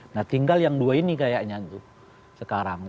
nah tinggal yang dua ini kayaknya tuh sekarang